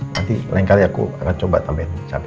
nanti lain kali aku akan coba tambahin cabai